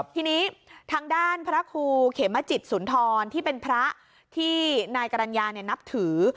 ทีนี้ทางด้านพระครูเขมจิตสุนทรที่เป็นพระที่นายกรรณญานับถือ